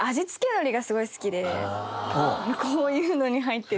こういうのに入ってる。